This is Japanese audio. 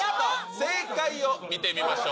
正解を見てみましょう。